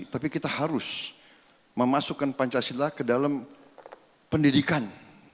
tapi kita harus memasukkan pancasila ke dalam pendidikan